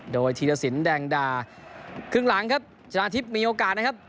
โดยธีรสินแดงดาครึ่งหลังครับชนะทิพย์มีโอกาสนะครับ